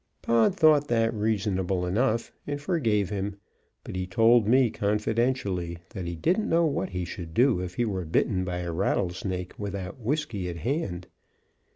Pod thought that reasonable enough, and forgave him; but he told me confidentially that he didn't know what he should do if he were bitten by a rattlesnake without whiskey at hand.